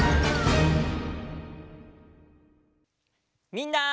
みんな。